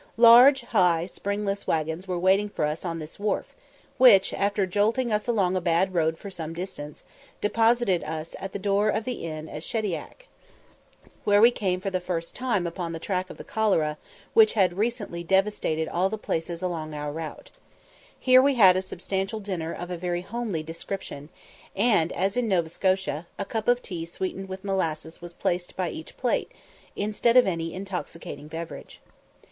Large, high, springless waggons were waiting for us on this wharf, which, after jolting us along a bad road for some distance, deposited us at the door of the inn at Shediac, where we came for the first time upon the track of the cholera, which had recently devastated all the places along our route. Here we had a substantial dinner of a very homely description, and, as in Nova Scotia, a cup of tea sweetened with molasses was placed by each plate, instead of any intoxicating beverage.